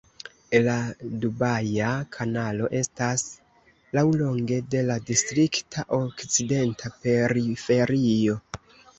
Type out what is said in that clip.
La Dubaja Kanalo estas laŭlonge de la distrikta okcidenta periferio.